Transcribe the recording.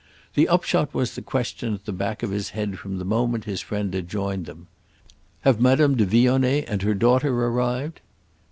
The upshot was the question at the back of his head from the moment his friend had joined him. "Have Madame de Vionnet and her daughter arrived?"